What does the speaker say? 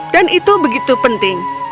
dan itu begitu penting